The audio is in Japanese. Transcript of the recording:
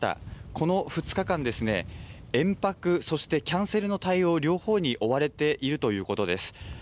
この２日間ですね、延泊、そしてキャンセルの対応両方に追われているということです。